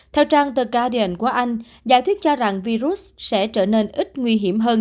theo trang the guardian của anh giả thuyết cho rằng virus sẽ trở nên ít nguy hiểm hơn